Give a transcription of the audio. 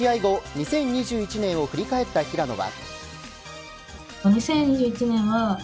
２０２１年を振り返った平野は。